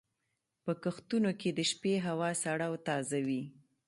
په کښتونو کې د شپې هوا سړه او تازه وي.